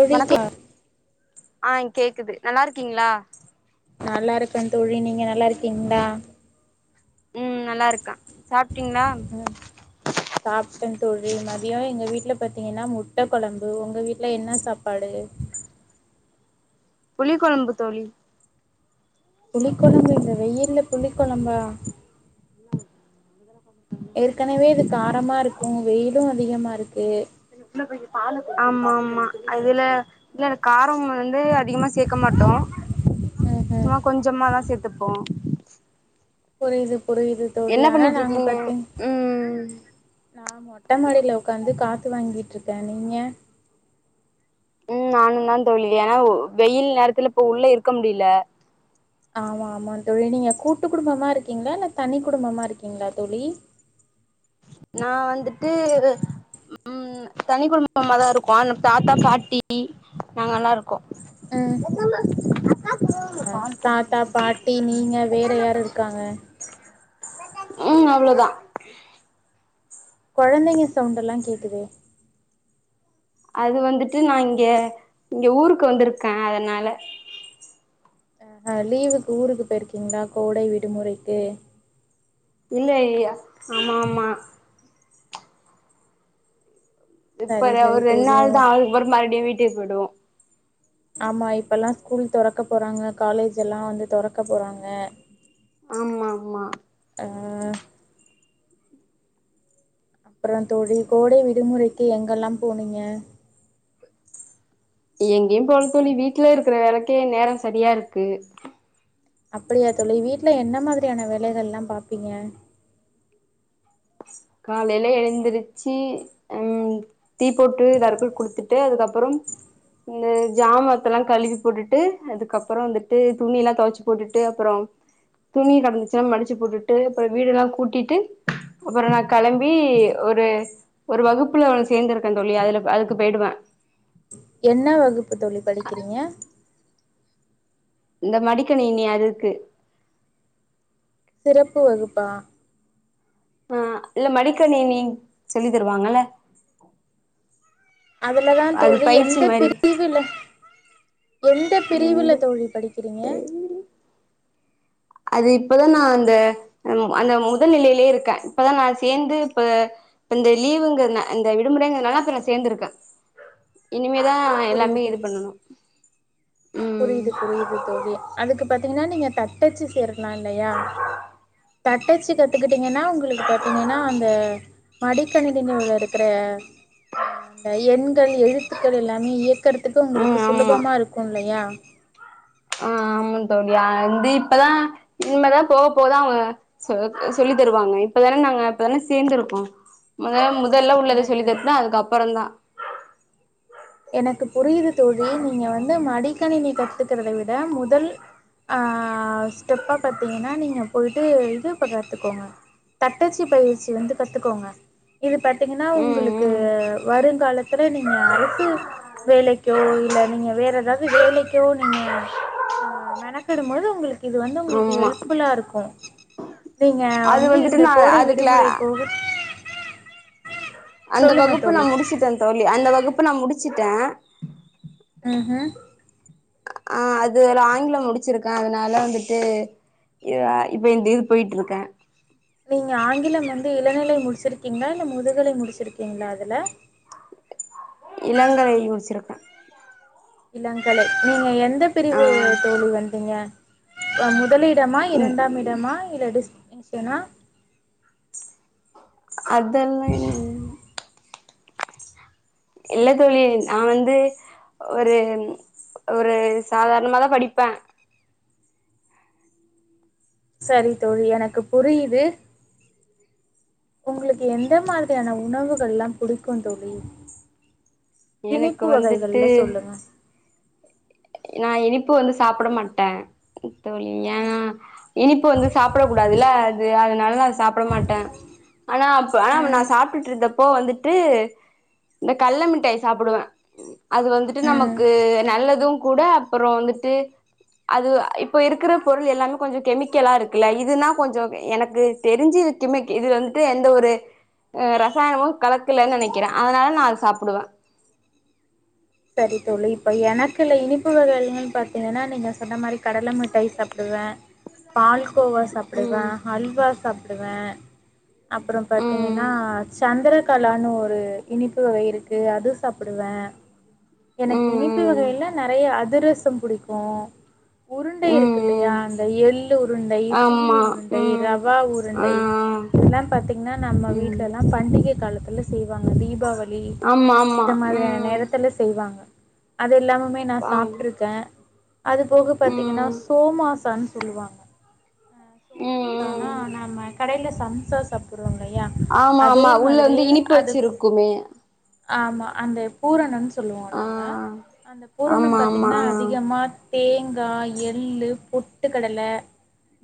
ஓ பி கி வணக்கம் யா ஆ கேக்குது நல்லா இருக்கீங்ளா நல்லா இருக்கே தோழி நீங்க நல்லா இருக்கீங்ளா ம் நல்லா இருக்கா சாப்பிட்டீங்ளா சாப்ட்டோ தோழி மதியோ எங்க வீட்ல பாத்தீங்கன்னா முட்டை கொழம்பு ஒங்க வீட்ல என்ன சாப்பாடு புளி கொழம்பு தோழி புளி கொழம்பு இந்த வெயில்ல புளி கொழம்பா ஏற்கனவே இது காரமாருக்கு வெயிலு அதிகமாருக்கு ஆமா ஆமா அதுல இல்ல காரம் வந்து அதிகமா சேக்க மாட்டோ ஹம் ஹம். சும்மா கொஞ்சமாதா சேத்துப்போ புரிது புரிது தோழி என்ன ஆனா பண்ணிட்டு நாங்க இருக்கீங்க பாத்தீங் ம் நா மொட்டமாடில உக்காந்து காத்து வாங்கிட்ருக்கே நீங்க ம் நானு தா தோழி ஏன்னா வெயில் நேரத்துல இப்ப உள்ள இருக்க முடில ஆமா ஆமா தோழி நீங்க கூட்டு குடும்பமா இருக்கீங்ளா இல்ல தனி குடும்பமா இருக்கீங்ளா தோழி நா வந்துட்டு ம் தனி குடும்பமாதா இருக்கோ ஆனா தாத்தா பாட்டி நாங்கல்லா இருக்கோ என்னமா அ தாத்தா பாட்டி நீங்க வேற யாரு இருக்காங்க ம் அவ்ளோதா கொழந்தைங்க சவுண்டெல்லா கேக்குதே அது வந்துட்டு நா இங்க இங்க ஊருக்கு வந்துருக்கே அதனால ஆ லீவுக்கு ஊருக்கு போயிருக்கீங்ளா கோடை விடுமுறைக்கு இல்ல இல்ல ஆமா ஆமா இப்ப சரி வ சரி ஒரு தோழி ரெண்நாள் தா ஆவுது மறுப் மறுப்டியு வீட்டுக்கு போய்டுவோ ஆமா இப்பல்லா ஸ்கூல் தொறக்க போறாங்க காலேஜ் எல்லா வந்து தொறக்க போறாங்க ஆம் ஆமா ஆமா ஆ அப்புறோ தோழி கோடை விடுமுறைக்கு எங்கெல்லா போனீங்க எங்கேயு போல தோழி வீட்ல இருக்கிற வேலைக்கே நேரோ சரியா இருக்கு அப்படியா தோழி வீட்ல என்ன மாதிரியான வேலைகள்லா பாப்பீங்க காலையில எழுந்திருச்சி ம் தீ போட்டு தர்புல் குடுத்துட்டு அதுக்கப்புறம் இந்த ஜாமத்தெல்லா கழுவி போட்டுட்டு அதுக்கப்புறோ வந்துட்டு துணியல்லா தொவச்சி போட்டுட்டு அப்பறோ துணி கிடந்துச்சுனா மடிச்சி போட்டுட்டு போய் வீடெல்லா கூட்டிட்டு அப்பற களம்பி ஒரு ஒரு வகுப்புல சேந்திருக்கே தோழி அதுல அதுக்கு போயிடுவே என்ன வகுப்பு தோழி படிக்கிறீங்க இந்த மடிக்கணினி அதுக்கு சிறப்பு வகுப்பா ஆ இல்ல மடிக்கணினி சொல்லி தருவாங்கல்ல அதுலதா அது தோழி பயிற்சி எந்த மாரி பிரிவுல எந்த எந்த பிரிவுல தோழி படிக்கிறீங்க அது இப்பதான் நா அந்த அந்த முதல் நிலையிலே இருக்கே இப்பதா நா சேர்ந்து இப்ப இப்ப இந்த லீவுங்கன் இந்த விடுமுறங்கிறதுனால இப்ப நா சேந்திருக்கே இனிமேதா எல்லாமே புரியுது இது பண்ணனு ம் புரியுது புரியுது தோழி அதுக்கு பாத்தீங்கன்னா நீங்க தட்டச்சு சேரலா இல்லையா தட்டச்சு கத்துக்கிட்டீங்கன்னா உங்களுக்கு பாத்தீங்கன்னா அந்த மடிக்கணினியோட இருக்குற அந்த எண்கள் எழுத்துக்கள் எல்லாமே இயக்கறதுக்கு உங்களுக்கு ம் ஆமா சுலபமா இருக்கு இல்லையா அ ஆ ஆமா தோழி அது இப்பதா இனிமேதா போக போகதா சொ சொல்லி தருவாங்க இப்பதானே நாங்க இப்பதானே சேந்திருக்கோ முத முதல்ல உள்ளத சொல்லி எனக்கு தன்டுதா அதுக்கப்பறந்தா எனக்கு புரியுது தோழி நீங்க வந்து மடிக்கணினி கத்துக்கறத விட முதல் ஆ ஸ்டெப்பா பாத்தீங்கன்னா நீங்க போய்ட்டு இது ப கத்துக்கோங்க தட்டச்சு பயிற்சி வந்து கத்துக்கோங்க இது பாத்தீங்கன்னா ம் உங்களுக்கு ம் வருங்காலத்துல நீங்க அரசு யோ இல்ல நீங்க வேற எதாவது வேலைக்கோ நீங்க ஆ மெனக்கிடும்போது உங்களுக்கு இது வந்து உங்களுக்கு ஆமா ஹெல்ப் ஃபுல்லா இருக்கு நீங்க அது வந்து வந்துட்டு இந்த நா கோடை அதுக்குல விடுமுறை போக அந்த சொல்லுங்க வகுப்பு நா தோழி முடிச்சிட்டே தோழி அந்த வகுப்பு நா முடிச்சிட்டே ம்ஹு ஆ அதுல ஆங்கில முடிச்சிருக்கே அதுனால வந்துட்டு இவ இப்ப இந்த இது போயிட்டு இருக்கே நீங்க ஆங்கிலம் வந்து இளநிலை முடிச்சிருக்கீங்களா இல்ல முதுகலை முடிச்சிருக்கீங்களா அதுல இளங்கலை முடிச்சிருக்கே இளங்கலை நீங்க எந்த ஆ பிரிவு தோழி வந்தீங்க அ மு முதலிடமா இரண்டாம் இடமா இல்ல டிஸ்டீங்ஷன்னா அதெல்லா இல் இல்ல தோழி நா வந்து ஒரு ஒரு சாதாரணமாதா படிப்பே சரி தோழி எனக்கு புரியுது உங்ளுக்கு எந்த மாதிரியான உணவுகள்லா புடிக்கு தோழி எனக்கு இனிப்பு வந்துட்டு வகைகள்ல சொல்லுங்க நா இனிப்பு வந்து சாப்ட மாட்டே தோழி யா இனிப்பு வந்து சாப்ட கூடாதுல்ல அது அதுனால நா சாப்ட மாட்டே ஆனா அப் ஆனா நா ம் சாப்ட்டுட்டு இருந்தப் போ வந்துட்டு இந்த கல்ல மிட்டாய் சாப்டுவே அது வந்துட்டு ம் நமக்கு நல்லது கூட அப்புறோ வந்துட்டு அது இப்ப இருக்கிற பொருள் எல்லாமே கொஞ்சோ கெமிக்கலா இருக்குல்ல இதுன்னா கொஞ்சோ எனக்கு தெரிஞ்சு விக்குமேக்கி இது வந்துட்டு எந்த ஒரு அ ரசாயனமு கலக்கலன் நெனைக்கிறே அதனால நா அத சாப்டுவே சரி தோழி இப்ப எனக்குல இனிப்பு வகைகள்னு பாத்தீங்கன்னா நீங்க சொன்ன மாரி கடலை மிட்டாய் சாப்டுவே பால்கோவா சாப்டுவே ம் ஹல்வா சாப்டுவே அப்புறோ ம் பாத்தீங்கன்னா சந்திர கலான்னு ஒரு இனிப்பு வகை இருக்கு அது சாப்டுவே எனக்கு ம் இனிப்பு ம் வகையில நெறைய அதிரசம் புடிக்கு உருண்டை ம் இருக்கு இல்லையா ம் அந்த எள்ளு உருண்டை சீனி ஆமா உருண்டை ம் ரவா ஆ உருண்டை இதுல்லா பாத்தீங்கன்னா நம்ம ம் வீட்லல்லா பண்டிகை காலத்துல செய்வாங்க தீபாவ ளி ஆமா ஆமா இந்த மாதிரியான ம் நேரத்துல செய்வாங்க அது எல்லாமமே நா ஆ ம் சாப்ட்ருக்கே அது போக பாத்தீங்கன்னா ம் சோமாசன் சொல்லுவாங்க அ சோமாசானா ம் நாம கடைல சம்சா சாப் ட்ரோ இல்லயா ஆமா அதே ஆமா உள்ள மாதிரி வந்து இனிப்பு அதுக்கு வச்சிருக்குமே ஆமா அந்த பூரணம்ன் சொல்லுவோ ஆ நாங்க அந்த ஆமா பூரணம் ஆமா பாத்தீங்ன்னா ஆ அதிகமா தேங்கா எள்ளு பொட்டு கடல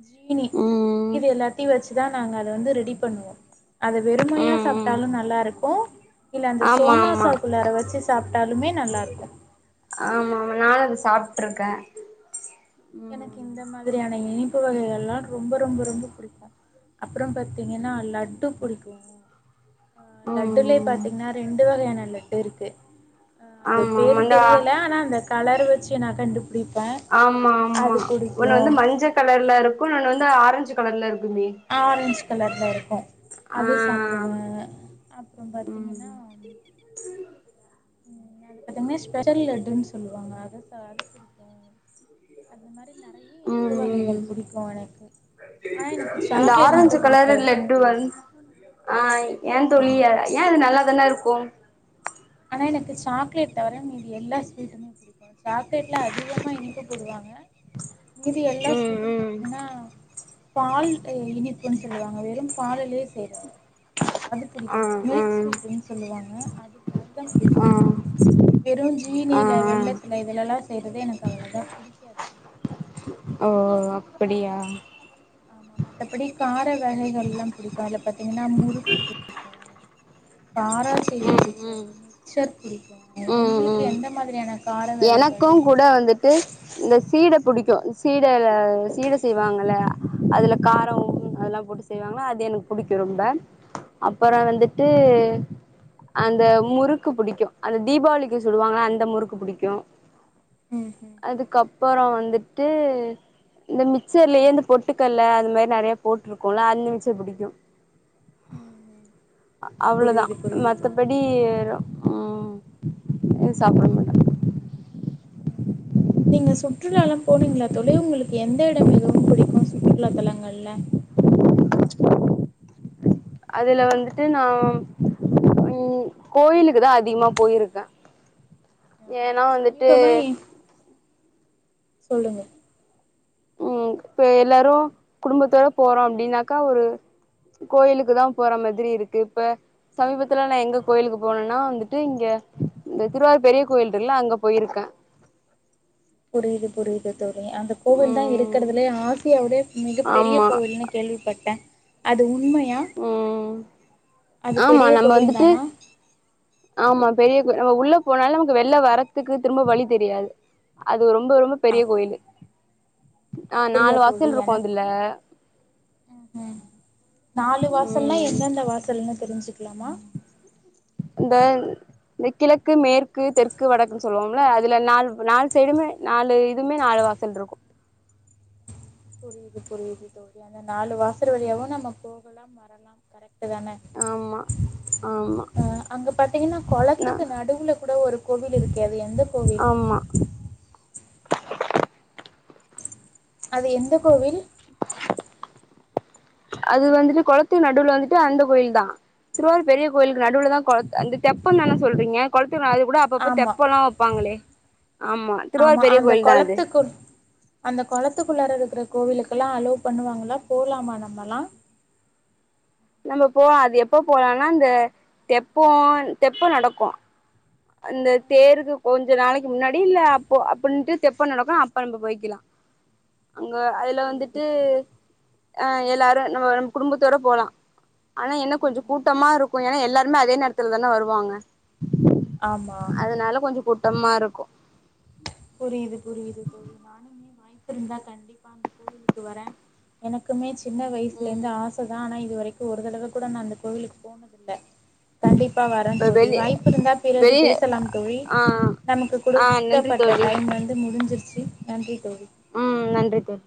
ஜீனி ம் இது எல்லாத்தயு வச் தா நாங்க அத வந்து ரெடி பண்ணுவோ அத ம் வெறுமையா ம் சாப்ட்டாலு நல்லா இருக்கு இல்ல அந்த ஆமா ஆமா ஆமா சோமாசா குள்ளார வச்சு சாப்ட்டாலுமே நல்லா இருக்கு ஆமா ஆமா நானு அது சாப்ட்ருக்கே எனக்கு ம் இந்த மாதிரியான இனிப்பு வகைகள்லா ரொம்ப ரொம்ப ரொம்ப புடிக்கு அப்புறோம் பாத் தீங்கன்னா ம் லட்டு புடிக்கு ஆ லட்டுலே ம் பாத்தீங்கன்னா ரெண்டு வகையான லட்டு இருக்கு அ அது ஆமா ஆமா பேரு இந்தா தெரியல ஆனா அந்த கலர் வச்சு நா கண்டுபிடிப்பே ஆமா ஆமா அது ஒன்னு பிடிக்கு வந்து மஞ்சள் கலர்ல இருக்கு இன்னொன்னு வந்து ஆரஞ்சு கலர்ல இருக்குமே ஆரஞ்ச் கலர்ல இருக்கு ஆ அது சாப்டுவே அப்புறோ ம் பாத்திங்கன்னா அ அது பாத்தீங்ன்னா ஸ்பெஷல் லட்டுன் சொல்லுவாங்க அது ச அது புடிக்கு அந்த மாரி நெறைய இனிப்பு ம் ம் வகைகள் புடிக்கு எனக்கு ஆனா எனக்கு அந்த சாக்லேட் ஆரஞ்சு மட்டு கலரு புடிக்காது லெட்டு வந் ஆ ஏ ம் தோழி சொல்லுங்க அ ஏ அது நல்லாதான இருக்கு ஆனா எனக்கு சாக்லேட் தவர மீதி எல்லா ஸ்வீட்டுமே பிடிக் இப்போ சாக்லேட்ல அதிகமா இனிப்பு போடுவாங்க மீதி எல்லா ம் ஸ்வீட்டயு ம் பாத்தீங்ன்னா பால் அ இனிப்புன் சொல்லுவாங்க வெறும் பாலுலே செய்றது அது ஆ பிடிக்கும் ஆ மில்க் ஸ்வீட்டுன் சொல்லுவாங்க அது ல அதுதான் பிடிக்கு ஆ எனக்கு வெறு ஆ ஜீனில ஆ வெள்ள இல்ல இதுலலா செய்றது எனக்கு அவளதா பிடிக்காது ஓ அப்படியா ஆமா மத்தபடி கார வகைகள்லா புடிக்கும் அதுல பாத்தீங்கன்னா முறுக்கு புடிக்கோ காராச்சேவு பிடிக்கோ ம் மிக்சர் புடிக்கோ ம் ம் உங்குளுக்கு ம் எந்த மாதிரியான கார வகைகள்லா எனக்கும் கூட புடிக்கோ வந்துட்டு இந்த சீட புடிக்கோ சீடலா சீட செய்வாங்கள அதுல காரோ அதெல்லா போட்டு செய்வாங்கல அது எனக்கு புடிக்கோ ரொம்ப அப்பறோ வந்துட்டு அந்த முறுக்கு புடிக்கோ அந்த தீபாவளிக்கு சுடுவாங்கல அந்த முறுக்கு புடிக்கோ ம் ஹு அதுக்கப்புறோ வந்துட்டு இந்த மிக்சர்லயே இந்த பொட்டுக்கல்ல அந்த மாரி நறையா போட்டுருக்கோல அந்த மிக்சர் புடிக்கோ ம் ம் அவளோதா புரியுது மத்தபடி தோழி அப்புடி ஏறோ ம் இது சாப்புட மு உம் நீங்க சுற்றுலாலா போனீங்களா தோழி உங்குளுக்கு எந்த எடம் மிகவும் பிடிக்கோ சுற்றுலா தலங்கள்ல அதுல வந்துட்டு நா ம் கோயிலுக்கு தா அதிகமா போயிருக்கே ஆஹா ஏன்னா வந்துட்டு சமீபமா எ சொல்லுங்க ம் இப்ப எல்லாரோ குடும்பத்தோட போறோ அப்டீன்னாக்கா ஒரு கோயிலுக்குதா போற மாதிரி இருக்கு இப்ப சமீபத்துல நா எங்க கோயிலுக்கு போனேன்னா வந்துட்டு இங்க இந்த திருவாரூர் பெரிய கோயில்டுல அங்க போயிருக்கே புரியுது புரியுது தோழி அந்த கோவில் தா ம் இருக்கறதுலே ஆசியாவோடே மிகப் பெரிய ஆமா கோவில்னு கேள்விப்பட்டே அது உண்மையா ம் அது ஆமா பெரிய நம்ம கோவில் வந்துட்டு தானா ஆமா பெரிய கோ நம்ம உள்ள போனாலு நமக்கு வெள்ல வரதுக்கு திரும்ப வழி தெரியாது அது ரொம்ப ரொம்ப பெரிய அப் கோயிலு ஆ நாலு வாசல் இருக்கோ அதுல உஹும் நாலு வாசல்னா ம் எந்தெந்த வாசல்ன்னு தெரிஞ்சுக்கலாமா இந்த இந்த கிழக்கு மேற்கு தெற்கு வடக்குன்னு சொல்லுவோம்ல அதுல நாலு நாலு சைடுமே நாலு இதுமே நாலு வாசல் இருக்கோ புரியுது புரியுது தோழி அந்த நாலு வாசல் வழியாவோ நம்ம போகலாம் வரலாம் கரெக்டு தானே ஆமா ஆமா ஆ அங்க பாத்தீங்கன்னா நா கொளத்துக்கு நடுவுல கூட ஒரு கோவில் இருக்கே அது எந்த கோவில் ஆமா அது எந்த கோவில் அது வந்துட்டு கொளத்து நடுவுல வந்துட்டு அந்த கோயில்தா திருவாரூர் பெரிய கோயிலுக்கு நடுவுலதா கொளத் அந்த தெப்பம் தானே சொல்றீங்க கொளத்துக்கு நடுவுல கூட அப்பப்போ ஆமா தெப்போலா வெப்பாங்களே ஆமா திருவாரூர் பெரிய அந்த கோயில்தா அது குளத்துக்கு அந்த கொளத்துக்குள்ளார இருக்கற கோவிலுக்கெல்லா அலோ பண்ணுவாங்களா போலாமா நம்பலா நம்ம போவோ அது எப்ப போலானா அந்த தெப்போ தெப்போ நடக்கோ இந்த தேருக்கு கொஞ்சோ நாளைக்கு முன்னாடி இல்ல அப்போ அப்டீன்ட்டு தெப்போ நடக்கோ அப்போ நம்ப போயிக்குலா அங்க அதுல புரியுது வந்துட்டு புரியுது அ எல்லாரு நம்ம நம்ம குடும்பத்தோட போலா ஆனா என்ன கொஞ்ச ம் ம் கூட்டமா இருக்கு ஏனா எல்லாருமே அதே நேரத்துல தானே வருவாங்க ஆமா அதனால கொஞ்ச கூட்டமாருக்கு புரியுது புரியுது தோழி நானுமே வாய்ப்பு இருந்தா கண்டிப்பா அந்த கோவிலுக்கு வரே எனக்குமே சின்ன வயசுல இருந்து ம் ஆசை தா ஆனா இது வரைக்கு ஒரு தடவ கூட நா அந்த கோவிலுக் போனதில்லை கண்டிப்பா வர இப்ப தோழி வெளி வாய்ப்பு இருந்தா பிறகு வெளி பேசலா தோழி ஆ நமக்கு ஆ நன்றி குடுக்கப்பட் ட தோழி டைம் வந்து முடிஞ்சிருச்சு நன்றி தோழி ம் நன்றி தோழி